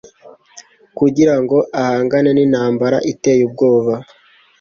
kugira ngo ahangane n'intambara iteye ubwoba